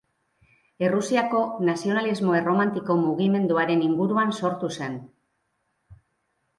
Errusiako nazionalismo erromantiko mugimenduaren inguruan sortu zen.